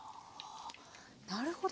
なるほど。